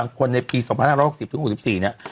คนในปี๒๕๖๐๖๔เนี่ย